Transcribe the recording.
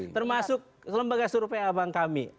termasuk lembaga survei abang kami